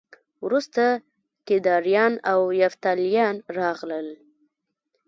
وروسته کیداریان او یفتلیان راغلل